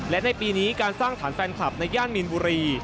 และในปีนี้การสร้างฐานแฟนคลับในย่านมีนบุรี